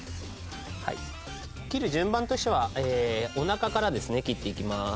切る順番としてはお腹からですね切っていきます。